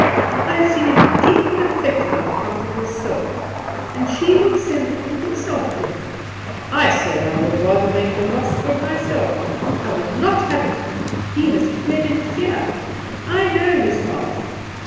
I have seen him deeply affected on account of his soul. And she would send the police after him! I say I would rather make the loss good myself. I will not have it; he has fled in fear. I know his heart.